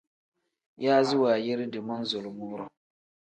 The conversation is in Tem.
Yaazi wanyiridi manzulumuu-ro.